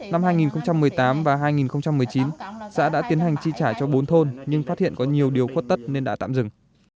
năm hai nghìn một mươi tám và hai nghìn một mươi chín xã đã tiến hành chi trả cho bốn thôn nhưng phát hiện có nhiều điều khuất tất nên đã tạm dừng